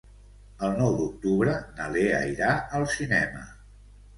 El nou d'octubre na Lea irà al cinema.